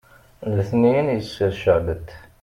letniyen yesser ceɛbet